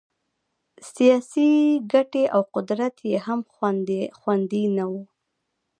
سیاسي ګټې او قدرت یې هم خوندي نه وو.